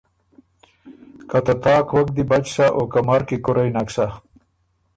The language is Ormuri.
که ته تاک وک دی بچ سَۀ او کمر کی کُرئ نک سَۀ۔